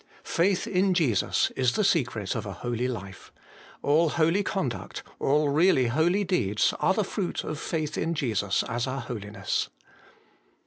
Faith in Jesus is the secret of a holy life: all holy conduct, all really holy deeds, are the fruit of faith in Jesus as our holiness.